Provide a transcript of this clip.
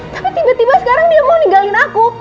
tapi tiba tiba sekarang dia mau nigalin aku